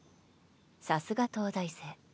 さすが東大生。